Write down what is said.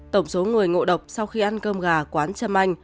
tổng số người ngộ độc sau khi ăn cơm gà quán trâm anh